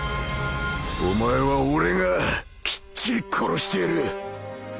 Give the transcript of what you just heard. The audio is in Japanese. お前は俺がきっちり殺してやる。